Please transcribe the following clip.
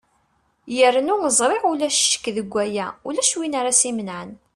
yernu ẓriɣ ulac ccek deg waya ulac win ara s-imenɛen